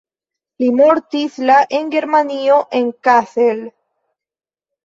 Li mortis la en Germanio en Kassel.